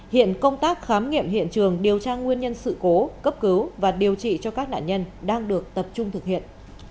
hiện công tác khám nghiệm hiện trường điều tra nguyên nhân sự cố cấp cứu và điều trị cho các nạn nhân đang được tập trung thực hiện